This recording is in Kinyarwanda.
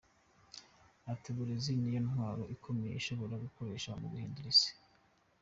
Ati “Uburezi niyo ntwaro ikomeye ushobora gukoresha mu guhindura isi.